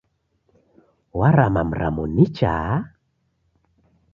Warama mramo nicha.